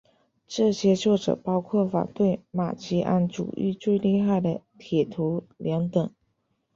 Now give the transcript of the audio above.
这些作者包括反对马吉安主义最厉害的铁徒良等。